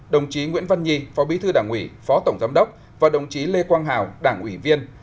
đồng chí nguyễn văn nhi phó bí thư đảng ủy phó tổng giám đốc và đồng chí lê quang hào đảng ủy viên